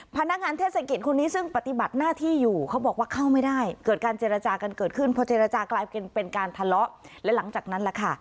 พนักงานเทศกิจคนนี้ซึ่งปฏิบัติหน้าที่อยู่เขาบอกว่าเข้าไม่ได้เกิดการเจรจากันเกิดขึ้นพอเจรจากลายเป็นเป็นการทะเลาะและหลังจากนั้นแหละค่ะ